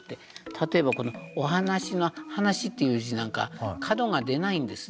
例えばこの「お話」の「話」っていう字なんか角が出ないんですね。